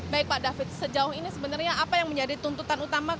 baik pak david sejauh ini sebenarnya apa yang menjadi tuntutan utama